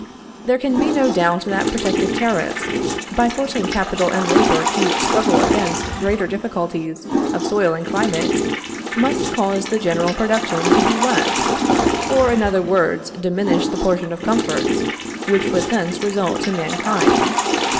There can be no doubt that protective tariffs, by forcing capital and labor to struggle against greater difficulties of soil and climate, must cause the general production to be less, or, in other words, diminish the portion of comforts which would thence result to mankind.